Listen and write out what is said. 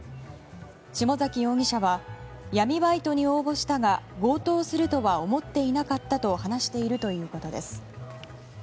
下崎容疑者は闇バイトに応募したが強盗するとは思っていなかったと話しているということです。